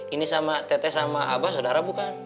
ini sama teh teh sama abah sodara bukan